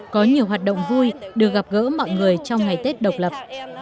có nhiều hoạt động vui được gặp gỡ mọi người trong ngày tết độc lập